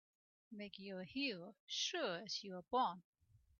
Make you're a hero sure as you're born!